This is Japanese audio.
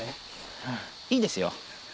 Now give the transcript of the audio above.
いいですよ。